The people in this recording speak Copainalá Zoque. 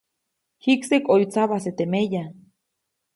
Jikseʼk ʼoyu tsabajse teʼ meya.